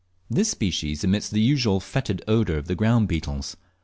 This species emits the usual fetid odour of the ground beetles.